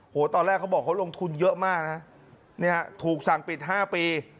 ตอนแรกเขาบอกเขาลงทุนเยอะมากนะเนี่ยถูกสั่งปิด๕ปี